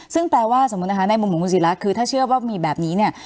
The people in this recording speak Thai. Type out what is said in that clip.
ซึ่งแปลว่าสมมุติในมุมบุญสีรักษณ์คือถ้าเชื่อว่ามีแบบนี้เนี่ย